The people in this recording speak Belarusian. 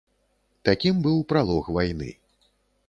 Такім быў пралог вайны.